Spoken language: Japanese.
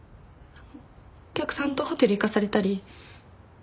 お客さんとホテル行かされたり。